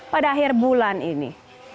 pada akhir bulan ini